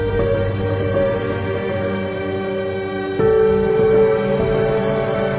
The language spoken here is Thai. โปรดติดตามตอนต่อไป